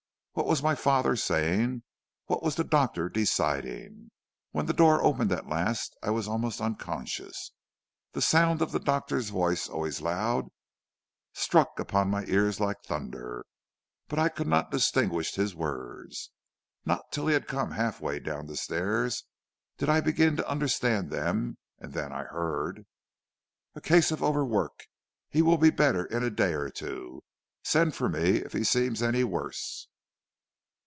What was my father saying? What was the doctor deciding? When the door opened at last I was almost unconscious. The sound of the doctor's voice, always loud, struck upon my ears like thunder, but I could not distinguish his words. Not till he had come half way down the stairs did I begin to understand them, and then I heard: "'A case of overwork! He will be better in a day or two. Send for me if he seems any worse.'